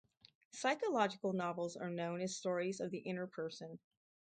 Psychological novels are known as stories of the inner person.